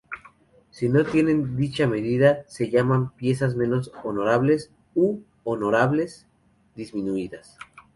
Si no tienen dicha medida, se llaman "piezas menos honorables" u "honorables disminuidas".